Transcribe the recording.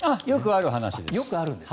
よくある話です。